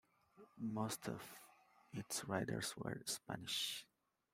Most of its riders were Spanish.